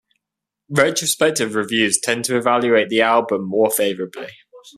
Retrospective reviews tend to evaluate the album more favorably.